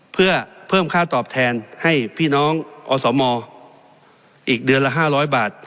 เพื่อเพิ่มค่าตอบแทนให้พี่น้องอสมอีกเดือนละ๕๐๐บาท